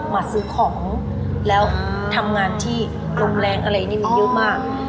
มาซื้อของแล้วทำงานที่โรงแรมอะไรนี่มันเยอะมาก